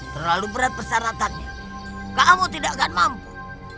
terlalu berat persyaratannya kamu tidak akan mampu